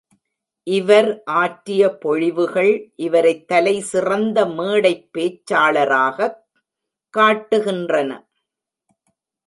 இவர் ஆற்றிய பொழிவுகள் இவரைத் தலைசிறந்த மேடைப் பேச்சாளராகக் காட்டுகின்றன.